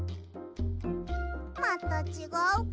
またちがうか。